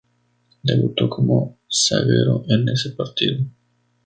Debutó como zaguero en ese partido.